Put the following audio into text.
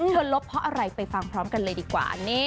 ลบเพราะอะไรไปฟังพร้อมกันเลยดีกว่า